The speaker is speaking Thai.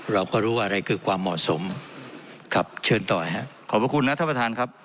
เราก็รู้ว่าอะไรคือความเหมาะสมครับเชิญต่อฮะขอบพระคุณนะท่านประธานครับ